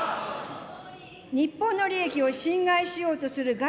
日本の利益を侵害しようとする外